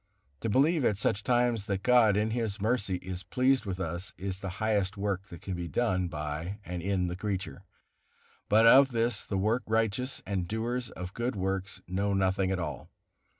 To believe at such times that God, in His mercy, is pleased with us, is the highest work that can be done by and in the creature; but of this the work righteous and doers of good works know nothing at all.